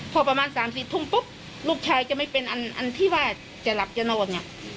พอประมาณ๓๕๓๘๙นทุกค่ลูกชายจะไม่เป็นอันที่ว่าจะหลับจะนอน